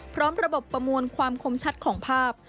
พร้อมระบบประมวลความคมชัดของภาพ